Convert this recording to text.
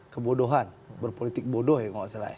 kebodohan berpolitik bodoh ya kalau nggak salah ya